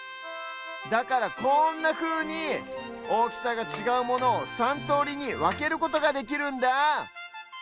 だからこんなふうにおおきさがちがうものを３とおりにわけることができるんだ！